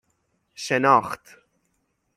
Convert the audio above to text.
شناخت